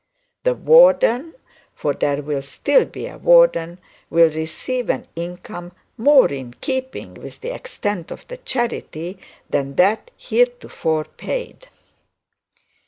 The warden, for there will still be a warden, will receive an income more in keeping with the extent of the charity than that heretofore paid.